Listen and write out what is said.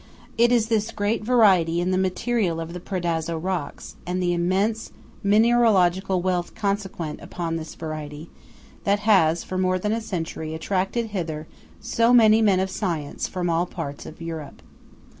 21 It is this great variety in the material of the Predazzo rocks, and the immense mineralogical wealth consequent upon this variety, that has for more than a century attracted hither so many men of science from all parts of Europe.